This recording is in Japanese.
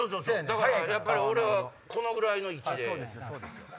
だからやっぱり俺はこのぐらいの位置で。